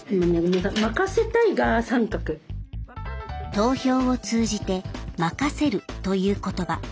投票を通じて「任せる」という言葉。